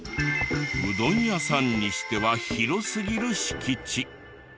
うどん屋さんにしては広すぎる敷地。